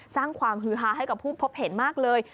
สร้างความฮือฮาให้กับผู้พบเห็นมากเลย